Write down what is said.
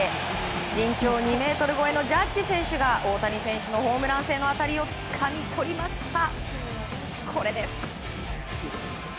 身長２ｍ超えのジャッジ選手が大谷選手のホームラン性の当たりをつかみとりました。